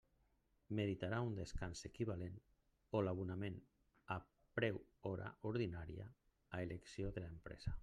Meritarà un descans equivalent o l'abonament a preu hora ordinària a elecció de l'empresa.